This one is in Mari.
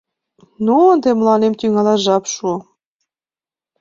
Ну, ынде мыланем тӱҥалаш жап шуо: